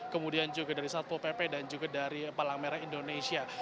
kemudian juga dari satpol pp dan juga dari palang merah indonesia